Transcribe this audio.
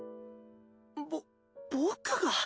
ぼ僕が？